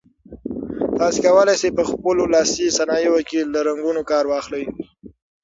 تاسي کولای شئ په خپلو لاسي صنایعو کې له رنګونو کار واخلئ.